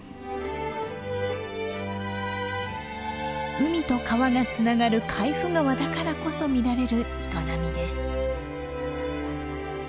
海と川がつながる海部川だからこそ見られる営みです。